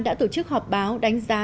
đã tổ chức họp báo đánh giá